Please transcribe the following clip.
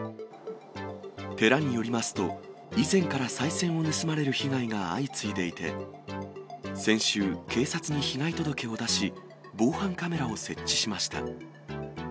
寺によりますと、以前からさい銭を盗まれる被害が相次いでいて、先週、警察に被害届を出し、防犯カメラを設置しました。